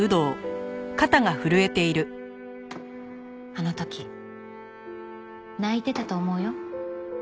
あの時泣いてたと思うよ。